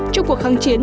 trong cuộc kháng chiến